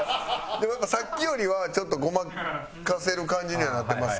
でもやっぱさっきよりはちょっとごまかせる感じにはなってますけど。